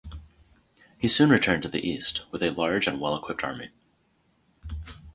He soon returned to the east with a large and well-equipped army.